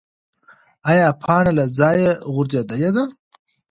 ایا پاڼه له ځایه غورځېدلې ده؟